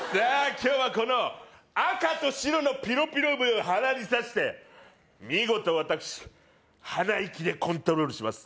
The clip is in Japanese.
今日はこの赤と白のピロピロ笛を鼻にさして見事私鼻息でコントロールします